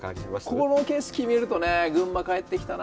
ここの景色見るとね群馬帰ってきたな